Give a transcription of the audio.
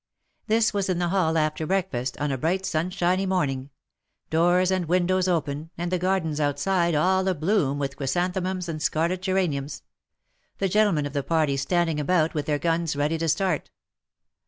This was in the hall after breakfast, on a bright sunshiny morning — doors and windows open, and the gardens outside all abloom with chrysanthemums and scarlet geraniums ; the gen tlemen of the party standing about with their guns ready to start.